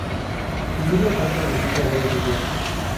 Sus libros se han traducido a varios idiomas.